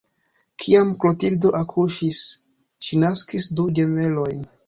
Kiam Klotildo akuŝis, ŝi naskis du ĝemelojn.